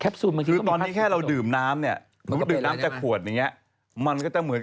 ไปไขย่อน